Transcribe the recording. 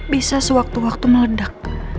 bisa sewaktu waktu meledak